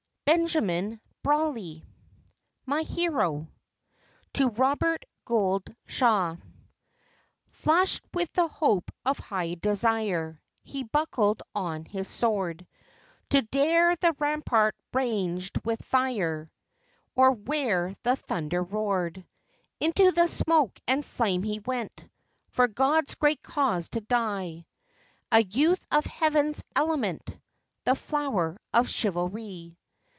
Benjamin Brawley MY HERO (To Robert Gould Shaw) Flushed with the hope of high desire, He buckled on his sword, To dare the rampart ranged with fire, Or where the thunder roared; Into the smoke and flame he went, For God's great cause to die A youth of heaven's element, The flower of chivalry.